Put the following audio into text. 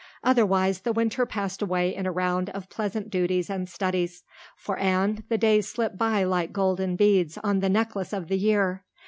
Otherwise the winter passed away in a round of pleasant duties and studies. For Anne the days slipped by like golden beads on the necklace of the year.